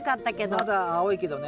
まだ青いけどね。